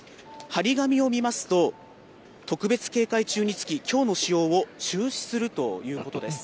貼り紙を見ますと、特別警戒中につき、きょうの使用を中止するということです。